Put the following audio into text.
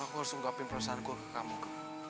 aku harus ungkapin perasaanku ke kamu kak